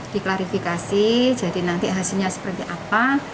diklarifikasi jadi nanti hasilnya seperti apa